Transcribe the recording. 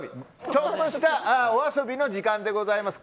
ちょっとしたお遊びの時間でございます。